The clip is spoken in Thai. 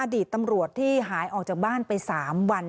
อดีตตำรวจที่หายออกจากบ้านไป๓วัน